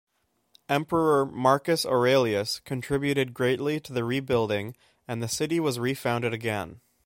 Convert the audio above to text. Emperor Marcus Aurelius contributed greatly to the rebuilding and the city was re-founded again.